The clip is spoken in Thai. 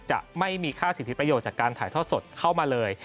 จะไม่มีค่าสิทธิประโยชน์จากการถ่ายทอดสดเข้ามาเลย